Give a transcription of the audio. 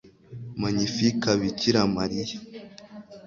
magnificat [bikira mariya